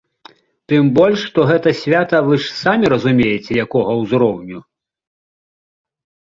Тым больш, што гэта свята вы ж самі разумееце, якога ўзроўню!